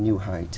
anh không thể